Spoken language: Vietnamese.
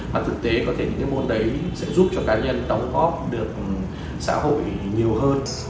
và thực tế có thể những cái môn đấy sẽ giúp cho cá nhân đóng góp được xã hội nhiều hơn